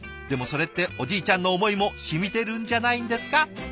でもそれっておじいちゃんの思いも染みてるんじゃないんですか？